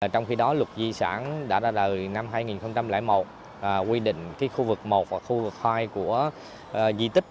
trong khi đó luật di sản đã ra đời năm hai nghìn một quy định khu vực một và khu vực hai của di tích